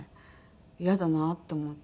イヤだなと思って。